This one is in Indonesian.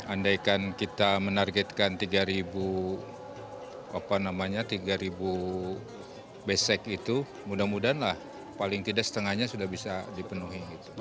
andaikan kita menargetkan tiga besek itu mudah mudahan lah paling tidak setengahnya sudah bisa dipenuhi